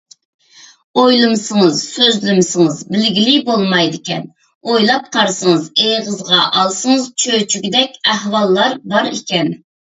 ئويلىمىسىڭىز، سۆزلىمىسىڭىز بىلگىلى بولمايدىكەن، ئويلاپ قارىسىڭىز، ئېغىزغا ئالسىڭىز چۆچۈگۈدەك ئەھۋاللار بار ئىكەن.